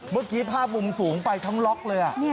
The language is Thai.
เมื่อกี้ผ้าปุ่มสูงไปทั้งล็อกเลยอ่ะ